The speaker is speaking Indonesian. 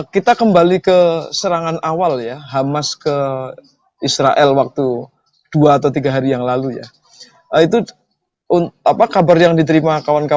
kita kembali ke serangan awal ya hamas ke israel waktu dua atau tiga hari yang lalu ya itu